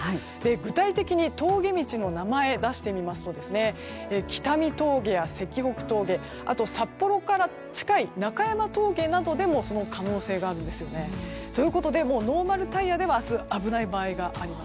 具体的に、峠道の名前を出してみますと北見峠や石北峠あと札幌から近い中山峠などでもその可能性があるんですよね。ということでもう、ノーマルタイヤでは明日は危ない場合があります。